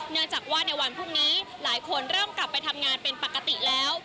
เนื่องจากว่าในวันพรุ่งนี้หลายคนเริ่มกลับไปทำงานเป็นปกติแล้ว